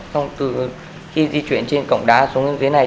xong từ khi di chuyển trên cổng đá xuống dưới này